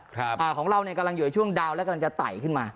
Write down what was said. ของเราเนี่ยกำลังอยู่ในช่วงดาวและกำลังจะไต่ขึ้นมา